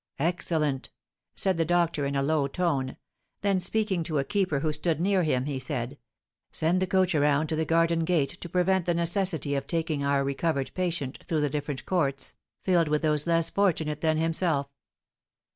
"Excellent!" said the doctor, in a low tone; then speaking to a keeper who stood near him, he said, "Send the coach around to the garden gate to prevent the necessity of taking our recovered patient through the different courts, filled with those less fortunate than himself."